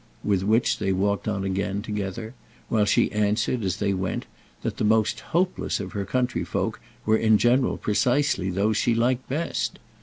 With which they walked on again together while she answered, as they went, that the most "hopeless" of her countryfolk were in general precisely those she liked best.